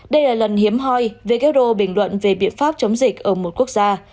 đây là lần hiếm hoi who bình luận về biện pháp chống dịch ở một quốc gia